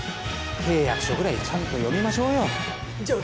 契約書ぐらいちゃんと読みましょうよじゃ